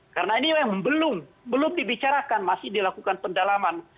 karena ini memang belum belum dibicarakan masih dilakukan pendalaman